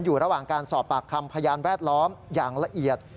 อยู่ระหว่างการสอบปากคำพยานแวดล้อมอย่างละเอียด